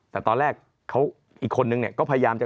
แต่ตอนแรกเขาอีกคนนึงเนี่ย